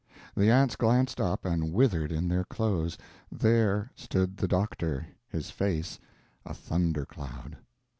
The aunts glanced up, and withered in their clothes there stood the doctor, his face a thunder cloud.